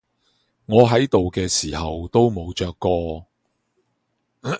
我喺度嘅時候都冇着過